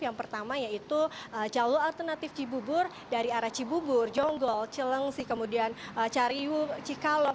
yang pertama yaitu jalur alternatif cibubur dari arah cibubur jonggol cilengsi kemudian cariw cikalong